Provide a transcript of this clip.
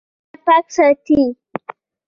ښار پاک ساتئ